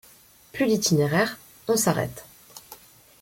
Plus d’itinéraire, on s’arrête.